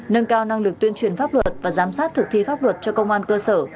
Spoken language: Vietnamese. nâng cao năng lực tuyên truyền pháp luật và giám sát thực thi pháp luật cho công an cơ sở